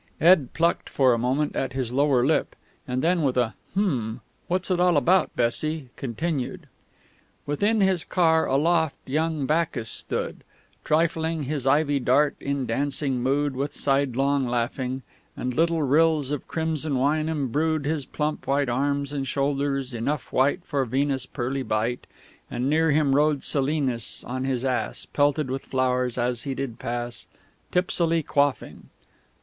Ed plucked for a moment at his lower lip, and then, with a "Hm! What's it all about, Bessie?" continued: _"Within his car, aloft, young Bacchus stood, Trifling his ivy dart, in dancing mood, With sidelong laughing; And little rills of crimson wine imbrued His plump white arms and shoulders, enough white For Venus' pearly bite; And near him rode Silenus on his ass, Pelted with flowers as he on did pass, Tipsily quaffing."